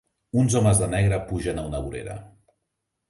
uns homes de negre pugen a una vorera.